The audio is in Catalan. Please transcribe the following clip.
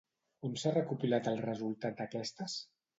On s'ha recopilat el resultat d'aquestes?